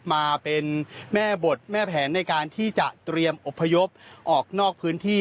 มาเป็นแม่บทแม่แผนในการที่จะเตรียมอบพยพออกนอกพื้นที่